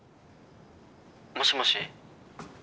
もしもし？